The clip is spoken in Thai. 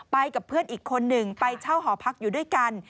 กับเพื่อนอีกคนหนึ่งไปเช่าหอพักอยู่ด้วยกัน